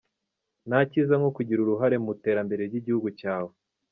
Nta cyiza nko kugira uruhare mu iterambere ry’igihugu cyawe."